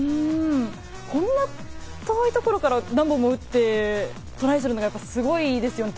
こんな遠いところから打って、トライするのはすごいですよね。